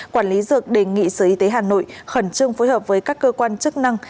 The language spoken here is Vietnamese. quản lý dược đề nghị sở y tế hà nội khẩn trương phối hợp với các cơ quan chức năng